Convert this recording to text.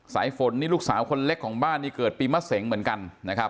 สายฝนนี่ลูกสาวคนเล็กของบ้านนี่เกิดปีมะเสงเหมือนกันนะครับ